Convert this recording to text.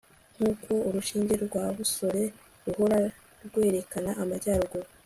nkuko urushinge rwa busole ruhora rwerekana amajyaruguru